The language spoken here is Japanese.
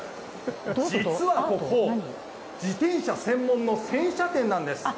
実はここ、自転車専門の洗車店なんです。